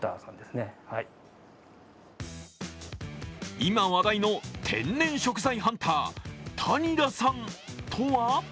今話題の天然食材ハンター、谷田さんとは？